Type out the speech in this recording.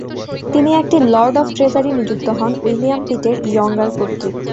তিনি একটি lord of treasury নিযুক্ত হন উইলিয়াম পিটের ইয়ঙ্গার কর্তৃক।